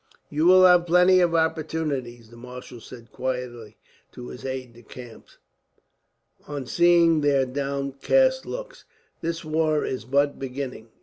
"You will have plenty of opportunities," the marshal said quietly to his aides de camp, on seeing their downcast look. "This war is but beginning.